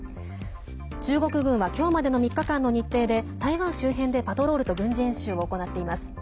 中国軍は今日までの３日間の日程で台湾周辺でパトロールと軍事演習を行っています。